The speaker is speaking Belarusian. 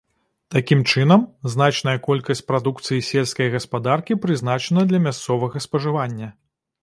Такім чынам, значная колькасць прадукцыі сельскай гаспадаркі прызначана для мясцовага спажывання.